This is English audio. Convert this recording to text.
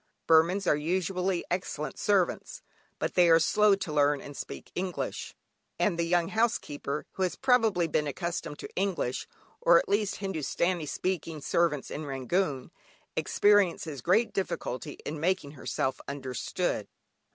Burmans are usually excellent servants, but they are slow to learn to speak English, and the young housekeeper, who has probably been accustomed to English, or at least Hindustani speaking servants in Rangoon, experiences great difficulty in making herself understood.